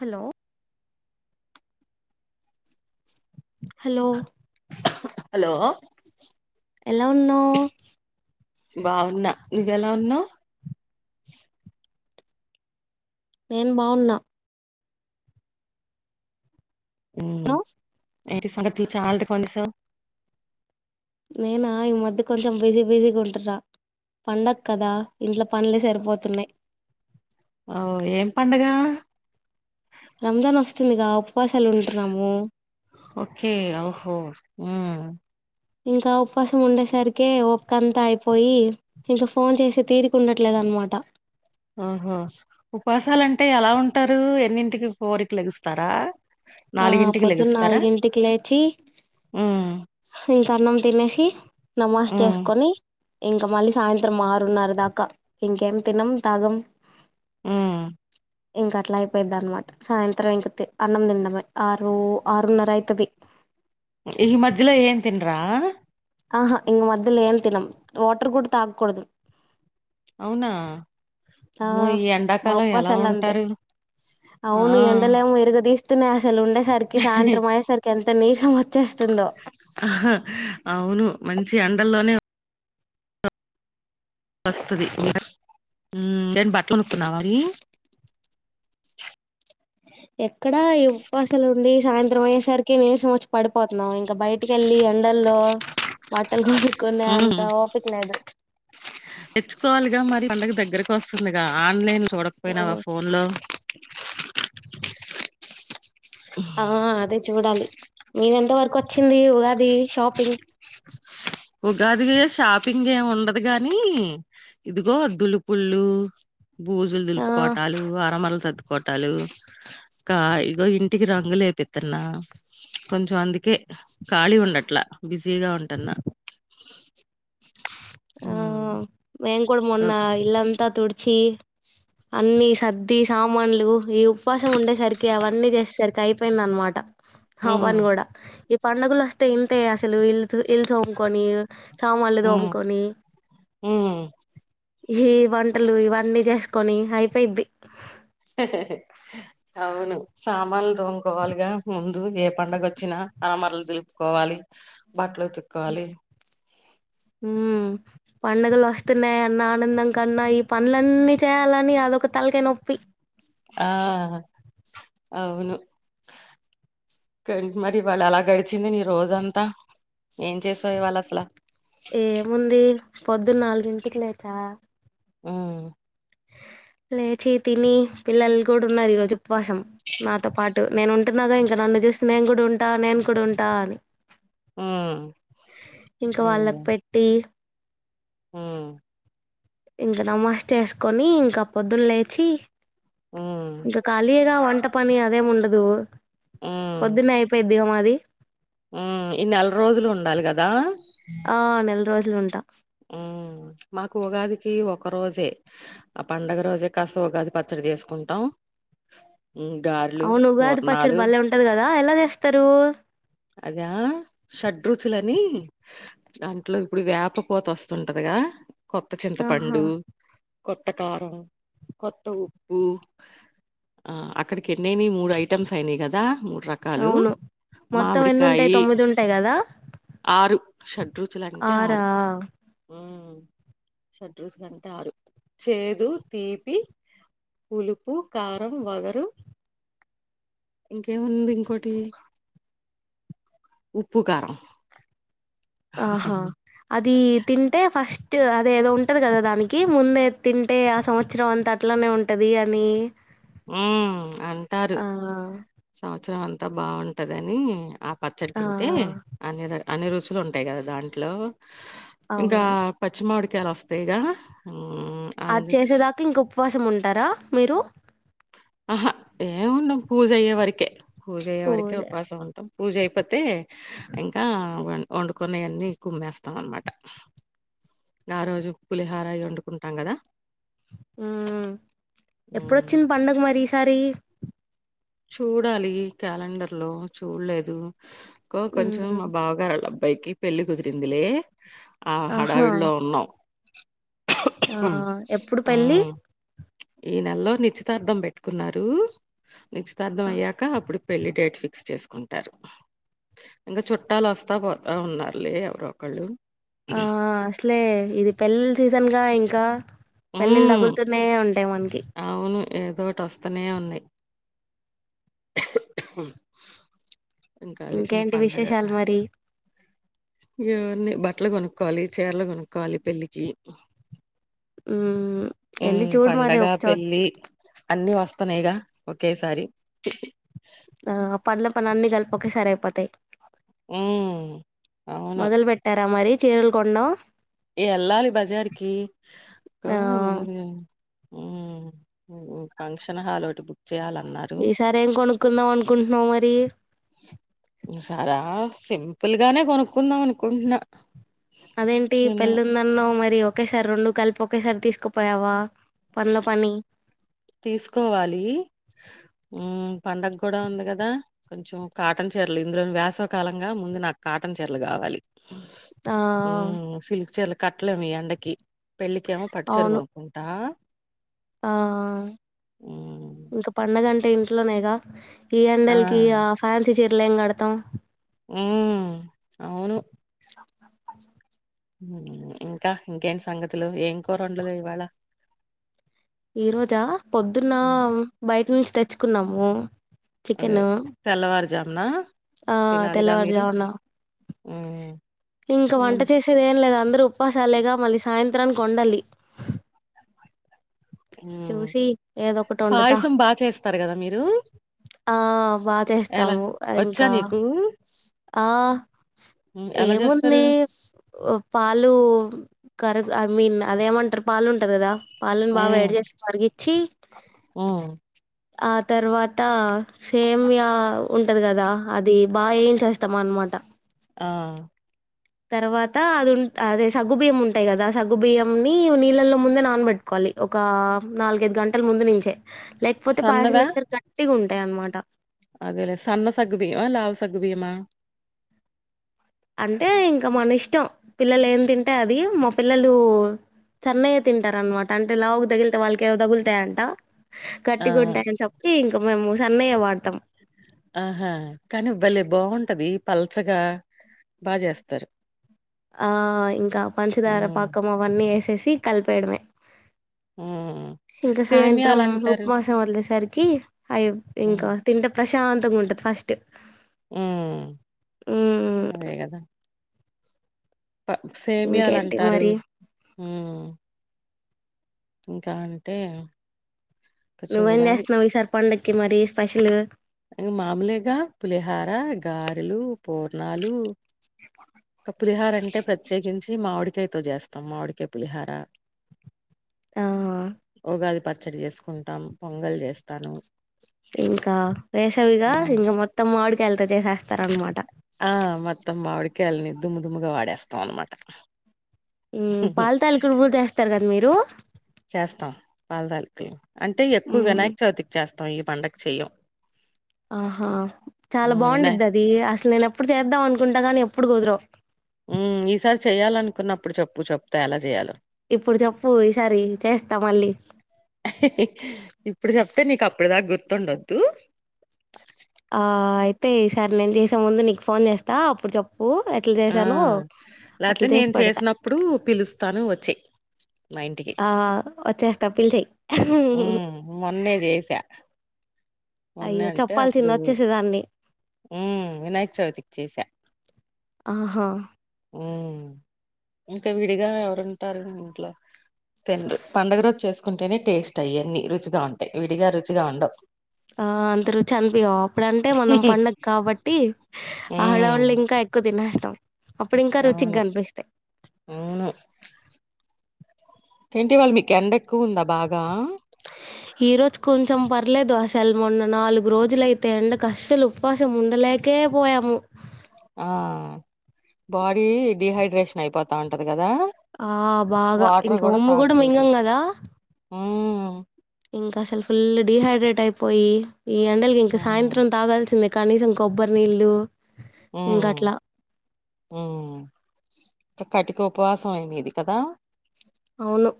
Hello hello hello ఎలా ఉన్నావ్. బావున్న నువెళ ఉన్నావ్. నేన్ బావున్న. హు ఏంటి సంగట్లు చాల్ టి ఫోన్ చెసవ్‌. నేనా ఈ మధ్య కొంచెం బిజీ బిజీగా ఉంటన, పండక్కదా ఇంట్లో పన్లె సరిపోతున్నయ్. ఆఓ ఏం పండగ. రంమ్జాన్ వస్తుందిగా. ఉపవాసాలు ఉంటున్నాము ఓకే ఓహో ఊ ఇంకా ఉప్పాసం ఉండేసరికె ఒక్కంతా అయిపోయి ఇంకా ఫోన్ చేసె తీరికి ఉండట్లేద్ అన్మాట ఆహా ఉపాసాలంటే ఎలా ఉంటారు, ఎన్నింటికి పోరికి లెగుస్తారా. ఆ నాలుగింటికి పొద్దున్న లెగుస్తారా నాలుగింటికి లేచి. ఉమ్ ఇంక అన్నం తినేసి నమాజ్ ఉమ్ చేస్కొని ఇంక మళ్ళీ సాయంత్రం ఆరున్నార దాకా, ఇంకేం తినం తాగం. హు ఇంక అట్ల అయిపోయ్ది అన్మాట సాయంత్రం ఇంక తి అన్నం తిండమే ఆరు ఆరున్నర ఐతది. ఈ మజ్జలొ ఏం తిన్ర ఆహా ఇంగ్ మథ్థిలో ఏం తినమ్, వాటర్ కుడ తాక్కుడదు. అవునా. ఆ అమ్మో ఈ ఎండాకాలం ఎలా ఉపావసాలంతే, ఉంటారు ఆ అవును ఎండలెమొ ఇరగదిస్ తునయాస్ అసలు ఉండేసరికి సాయంత్రం అయేసరికి ఎంత నీ. సంమత్ హ్ ఆ అవును మంచి ఎండలొనే వస్తది [unintelligible] నేను బట్ట కొనుక్కున్నావా ఎక్కడా ఉపవాసాలు ఉండి సాయంత్రం నిద్రపోయే సరికి నీరసం వచ్చి పడిపోతున్నాము ఇంకా బైటికెళ్లి ఎండల్లో బట్టలు కొనే ఉమ్ అంత ఓపికలేదు తెచ్చుకోవాలిగా మరి పండగ దగ్గరకు వస్తుందిగా ఆన్లైన్ చూడకపోయినావా హ్మ్ ఫోన్ లో ఆ అదే చూడాలి మీదెంత వరకు వచ్చింది ఉగాది షాపింగ్ ఉగాది షాపింగ్ ఏం ఉండదు గానీ ఇదిగో దులుపుళ్ళు బూజులు ఆ దులుపుకోవటాలు అరమరలు సర్దుకోవాటాలు ట్టాలు కా ఇగో ఇంటికి రంగులేపిత్తన్నా కొంచెం అందుకే ఖాళీ ఉండట్లా బిజీగా ఉంటున్న ఆ హ్మ్ మేము మొన్న ఇల్లు అంతా తు తుడిచి అన్ని సర్ది సామాన్లు ఈ ఉపవాసం ఉండేసరికి అవన్నీ చేసేసరికి అయిపోయింది అనమాట హ ఉమ్, పన్గడ ఈ పండుగలు వస్తే ఇంతే అసలు ఇల్లు తోముకుని సామాన్లు దోముకొని ఉమ్, కుని ఉమ్. ఈ వంటలు ఇవన్నీ చేసుకు కొని అయిపోయిద్ది అవును సామానులు దోముకోవాలిగా ముందు ఏ పండగ వచ్చినా అరమరలు దులుపుకోవాలి బట్టలు ఉతుక్కోవాలి ఉ పండుగలు వస్తున్నాయన్న ఆనందం కన్నా ఈ పనులన్నీ చేయాలని అదొక తలకాయ నొప్పి ఆ అవును మరి ఇవాళ ఎలా గడిచింది నీ రోజంతా ఏం చేసావు ఇవాళ అసల పొద్దున నాలుగింటికి లేచా ఆ లేచి తిని పిల్లలు కూడా ఉన్నారు ఈ రోజు ఉపవాసం నాతో పాటు నేను ఉంటున్నాగా ఇంకా నన్ను చూసి నేను కూడా ఉంటా నేను కూడా ఉంటా అని హ్మ్ ఇంక వాళ్ళకు పెట్టి హ ఇంక నమస్ చేసుకొని ఇంకా పొద్దున్న లేచి హ్మ్ ఇంకా కలిగా వంట పని అదే ఉండదు దో పొద్దున అయిపోయి అ మాది ఉ ఈ నెల రోజులు ఉండాలి కదా రోజులుంటాం ఉ మాకు ఉగాది ఒక రోజే ఆ పండగ రోజే కాస ఉగాది పచ్చడి చేసుకుంటాం గార్లు అవును ఉగాది పచ్చడి పూర్ణాలు భలే ఉంటది కదా ఎలా చేస్తారు అద షడ్రుచులని దాంట్లో ఇప్పుడు వ్యాప పోత వస్తుంటదిగా కొత్త ఆహా చింతపండు కొత్త కారం కొత్త ఉప్పు ఆ అక్కడికి ఎన్నైని మూడు ఐటమ్స్ అయినాయి కదా మూ రకాలు అవును మొత్తం ఎన్ని మామిడికాయ ఉంటాయి తొమ్మిది ఉంటాయి కదా ఆరు షడ్రుచుల అంటే ఆరు ఆరా చడ్రూసు కంటే ఆరు చేదు తీపి ఉలుపు కారం వగరు ఇంకేముంది ఇంకోొటి ఉప్పు కారం ఆహా అది తింటే ఫస్ట్ అదే ఏదో ఉంటుంది కదా దానికి ముందే తింటే ఆ సంవత్సరం అంతా అట్లానే ఉంటుంది అని ఉ అంటారు ఆ సంవత్సరం అ అంత బాగుంటదని ఆ పచ్చడి ఆ తింటే ఆనేర అన్ని రుచులు ఉంటాయి కదా దాంట్లో ఇంకా అవును పచ్చిమామిడి చలు వస్తే ఇగా అది చేసేదాకా ఇంకా ఉపవాసం ఉంటారా మీరు ఆహా ఏమిఉండము పూజ అయ్యే వరకే పూజ అయ్య వరకే ఉపాసం ఉంటాం పూజ అ పతే ఇంకా వ వండుకనేవన్నీ కుమ్మేస్తాం అన్నమాట ఆ రోజు పులిహారవి వండుకుంటాం కదా ఉ హ్మ్. ఎప్పుడొచ్చింది పండగ మరి ఈ సారి చూడాలి క్యాలెండర్ లో చూడలేదు కొంచెం మ్మ్ మా బావగారు లబ్ అబ్బాయికి పెళ్లి కుదిరిందిలే ఆ ఆహా హడావిడిలో ఉన్నాం ఆ ఎప్పుడు పెళ్లి హ్మ్. ఈ నెలలో నిశ్చితార్థం పెట్టుకున్నారు నిశితార్థం అయ్యాక అప్పుడు పెళ్లి డేట్ ఫిక్స్ చేస్ కుంటారు ఇంకా చుట్టాలు వస్తా పోత ఉన్నారులే ఎవరొ ఒకళ్ళు ఆ అసలే ఇది పెళ్ళిల సీజన్ గా ఇం క్క పెళ్ళిలు హ్మ్ తగులుతూనే ఉంటాయి మనకి ఏదో ఒకటి వస్తనే ఉన్నాయి ఇంకా అండి ఎమ్ ఇంకేంటి పనిలేద విశేషాలు మరి బట్లు కొనుక్కోవాలి చీరలు కొనుక్కవాలి పెళ్లికి మ్మ్ ఉ ఎళ్ళి చూడు మరి పండగ, ఒకచోట పెళ్లి అన్ని వస్తన్నాయిగా ఒకేసారి ఆ పనుల పని అన్ని కలిపి ఒకె సారి అయిపోతాయి ఉ అవును మొదలు పెట్టారా మరి చీరలు కొన్నా ఇక ఎల్లాలే బజారుకి ఆ ము ఉ ఫంక్షన్ హాల్ ఒకటి బుక్ చేయాలన్నారు ఈసారి ఏం కొనుక్కుందాం అనుకుంటున్నావు మరి చాలా సింపుల్ గానే కొనుక్కుందాం అనుకుంటున్నా అదేం ఎంటి చిన్న పెళ్లిందన్నవు మరి ఒకేసారి రెండు కలిపి ఒకేసారి తీసుకుపోయావా పనిలో పని తీసుకోవాలి ఉ పండగ కూడా ఉంది కదా కొంచెం కాటన్ చీరలు ఇందులో వేసవి కాలం కదా ముందు నాకు కాటన్ చీరలు కావాలి ఆ మ్మ్ సిల్క్ చీరలు కట్టలేమ్ ఈ ఎండకి పెళ్లికేమో పట్టు చీర అవును కొనుక్కుంటా ఆ ఉమ్ ఇంకా పండగ ఇంట్లోనేగా ఈ ఎండల్ కీ ఆ ఫ్యాన్సీ చీర్ [unintelligible] లేం కడతాం ఉమ్మ్ అవును అ ఉమ్మ్ ఇంకా ఇంకేమి సంగతులు ఏం కూరండావ్ ఇవాళ ఈ రోజా పొద్దున్న ఉమ్ బయట నుంచి తె చ్చుకున్నాము అదే తెల్లవారుజా ఉన్న ఆ తెల్లవారుజామున ఉమ్ ఇంక వంట చేసేది ఏం లేదు అందరు ఉపవాసాలేగా మళ్ళీ సాయన్ త్రం కొండాలి ఉమ్ చూసి ఏదో ఒకటి వండుదా పాయసం బా చేస్తారు కదా మీరు ఆ బా ఎలా చేస్తాము వచ్చా ఇంకా నీకు ఆ హ్మ్. ఎలా ఏముంది చేస్తారు ఉ పాలు కర ఐ మీన్ అదేమంటారు పాలు ఉంటంది కదా పాలను బాగా ఏడి చేస్ ఇచ్చి ఆ ఆ తర్వాత సేమ్ లా ఉంటది కదా అది బాగా ఏంచేస్తాం అన్నమాట ఆ తర్వాత అదిన్ అదే సగ్గుబియ్యం ఉంటాయి కదా సగ్గుబియ్యం ని నీళ్ళలో ముందే నానబెట్టుకోవాలి ఒక నాలుగైదు గంటల ముందు నించే లేకపోతే పాయసం సన్నదా వచ్చేసరి గట్టిగున్ ట్టే అనమాట అదేలే సన్న సగ్గుబియ్యమా లావు సగ్గుబియ్యమా అంటే ఇంక మనిష్టం పిల్లలు ఏం తింటే అది మా పిల్లలు సన్నయే తింటారనమాట అంటే లావుకి తగిలితే వాళ్ళకి ఏవో తగులుతాయంట ఆ గట్టికుంటాయని చెప్పి ఇంక మేము సన్నయే వాడతాం ఆహా కానీ భలే బావుంటది పల్చగా బా చేస్తారు ఆ ఇంకా పంచదార హ్మ్ పాకం అవన్నీ ఏసి టేసి కలిపేయడమే హ్మ్ ఇంకా సాయంత్రం సేమియాలంటారు ఉపవాసం వదిలేసరికి అవి ఇంకా తింటే ప్రస్ టాంతంగా ఉంటుంది ఫస్టే ఉమ్మ్ మ్మ్ అదే కదా ప ఇంకేంటి సేమ్యాలంటారు మరి ఉమ్మ్ ఇంకా అంతే నువ్వేం చేస్తున్నావ్ ఈసారి పండక్కి మరి స్పెషల్ ఇది మామోలెగా పులిహార గారెలు పూర్ణాలు. క పులిహార అంటే ప్రత్యేకించి మావిడికాయతో జేస్తాం మావిడికాయ్ పులిహార ఆ ఉగాది పచ్చడి జేసుకుంటాం పొంగల్ జేస్తాను. అ కా వేసవిగ ఇంక మొత్తం మావిడ్ ఎళ్తే చేహెస్తారనమాట ఆహ్ మొత్తం మావిడికాయ్లని దుమ్ము దుమ్ముగా వాడేస్తాం అనమాట. మ్మ్ పాల్ తాలికలు కూడా చేస్తారు కద మీరు చేస్తాం పాలతాలికలు అంటే ఎక్కువ మ్మ్ వినాయక చవితికి చేస్తాం తం ఈ పండక్ చెయం ఆహా చాలా వినా బావుండిద్దది అది అసలు నేను. ఇప్పుడు చేద్దాం అనుకుంటా గానీ ఎప్పుడు కుదరవ్ మ్మ్ ఈసారి చెయ్యాలనుకున్నాప్పుడు చెప్పు చెప్తా ఎలా చెయలో ఇప్పుడు చెప్పు ఈ సారి ఏం చేస్తావ్ మళ్ళీ తుండొద్దు తే ఈ సారి నేను చేసే ముందు నీకు ఫోన్ చేస్తా అప్పుడు చెప్పు. ఉ ఎట్లా ఆ చేసానో అట్లా లేకపోతే చేసి నేను పెడతా చేసినప్పుడు పిలుస్తాను వచ్చేయి మా ఆ వచ్చేస్తా పిలిచేయ్ మ్మ్ మొన్నే జెసా అయ్యో చెప్పాల్సింది వచ్చేసేదాన్ని మ్మ్ వినాయక చవితికి చేసా ఆహా మ్మ్ ఇంక విడిగా ఎవరుంటారు ఇంట్లో తిడ్రు పండుగ రోజు చేసుకుంటేనే టేస్ట్ అయన్ని రుచిగా ఉంటాయ్ విడిగా రుచిగా ఉండవ్. ఆహ్ అందరు చన్ బోయావ్ ఇప్పుడంటే మనం పండక్ కాబట్టి ఉమ్ ఆడవాళ్ళు ఇంకా ఎక్కువ తినే అప్పుడు ఇంకా రుచిగ్ అవును గనిపిస్తాయ్ అవును ఏంటి ఇవాల మీకు ఎండ ఎక్కువ ఉందా బాగా ఈరోజు కొంచెం పర్లేదు అసల్ మొన్న నాలుగు రోజులైతే ఎండకు అస్సలు ఉపవాసం ఉండలేకే పోయాము. ఆహ్ బాడీ డిహైడ్రేషన్ అయిపోతా ఉంటది. కదా ఆహ్ బాగా వాటర్ ఇంక ఉమ్ము గూడా మింగం కదా మ్మ్ ఇంక అసల్ ఫుల్ డిహైడ్రేట్ అయిపోయి. ఈ ఎండలికి ఇంక ఉమ్ సాయంత్రం తాగాల్సిందే కనీసం కొబ్బరి నీళ్లు ఆ అ ఆ అ కటిక ఉపవాసం అయి మీది కదా అవును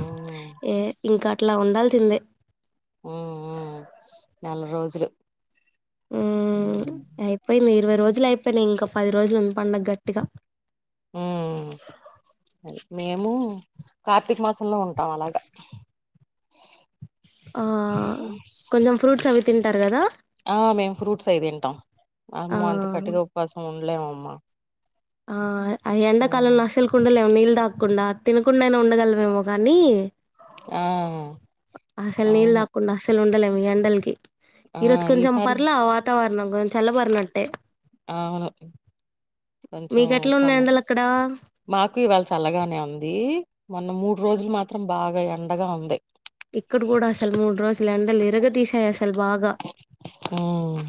ఉమ్ ఏ ఇంకా అట్లా ఉండాల్సిందే ఉమ్ ఉమ్ నెల రోజులు ఉమ్ అయిపోయిలే ఇరువై రోజులు అయిపో పోయినాయి ఇంకా పది రోజులు ఉమ్ పండుగ గట్టిగా ఉమ్ అదే మేము కార్తీక మాసంలో ఉంటాం అలాగా ఆ కొంచెం ఫ్రూట్స్ అవి తింటార కదా ఆ మేము ఫ్రూట్స్ అయి తింటాం అమ్మో అంత ఆ! కట్టిగా ఉపవాసం ఉ ఉండలేమమ్మ ఆ అ ఎండాకాలంలో అసలకుండలేము నీల్ తాకుండా తినకుండాయినా ఉండగలవేమో కానీ ఆ అసలు నీల అవును తాగకుండా అసలు ఉండలేం ఇ ఎండలకి ఆ ఈరోజు కొంచం ఈసారి పర్లే వాతావర మనకొంచం చాలబర్నేట్ అవును కొంచెం మీకు ఎట్లా ఉన్నాయి చల్లా ఎండలు అక్కడ మాకు ఇవాళ చల్లగానే ఉంది మొన్న మూడు రోజులు మాత్రం బాగా ఎండగా ఉంది ఇక్కడ కూడా అసలు మూడు రోజులు ఎండలు ఇరగ తీసేయస్త ఉమ్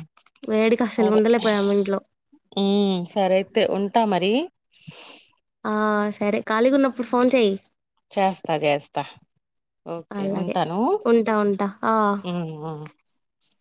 వేడికి అసలు అరే ఉండలేపోయాము ఇంట్లో ఉమ్ సర అయితే ఉంటా మరి ఆ సరే ఖాళీగా ఉన్నప్పుడు ఫోన్ చెయ్యి చేస్తా చేస్తా ఓకే అలాగే ఉంటాను ఉంటా ఉంటా ఆ ఉమ్ ఉ స